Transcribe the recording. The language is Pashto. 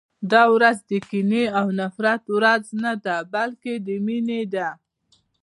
دا ورځ د کینې او د نفرت ورځ نه ده، بلکې د مینې ده.